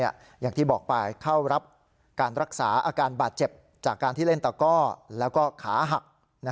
อย่างที่บอกไปเข้ารับการรักษาอาการบาดเจ็บจากการที่เล่นตะก้อแล้วก็ขาหัก